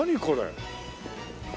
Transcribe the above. これ。